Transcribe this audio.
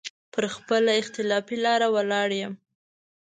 پر خپله اختلافي لاره ولاړ يم.